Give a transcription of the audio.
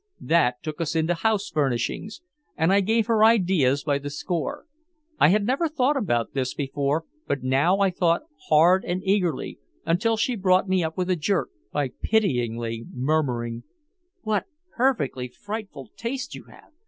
That took us into house furnishings, and I gave her ideas by the score. I had never thought about this before, but now I thought hard and eagerly until she brought me up with a jerk, by pityingly murmuring: "What perfectly frightful taste you have.